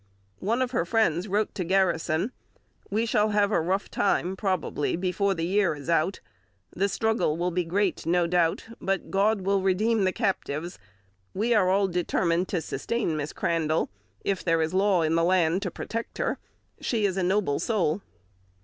One of her friends wrote to Garrison: "We shall have a rough time, probably, before the year is out. The struggle will be great, no doubt, but God will redeem the captives.... We are all determined to sustain Miss Crandall if there is law in the land enough to protect her. She is a noble soul!"